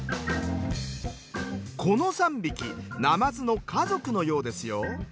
この３匹なまずの家族のようですよ。